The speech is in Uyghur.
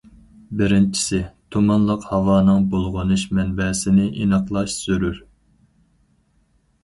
بىرىنچىسى، تۇمانلىق ھاۋانىڭ بۇلغىنىش مەنبەسىنى ئېنىقلاش زۆرۈر.